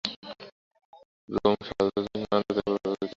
Rome সর্বত্র যাইত এবং মানবজাতির উপর প্রভুত্ব বিস্তার করিত।